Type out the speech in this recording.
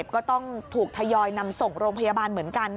เราก็ช่วยงัดประตูคันนี้ออกก่อนเพราะว่าเขาเสี่ยงไม่หนัก